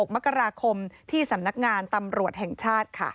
๖มกราคมที่สำนักงานตำรวจแห่งชาติค่ะ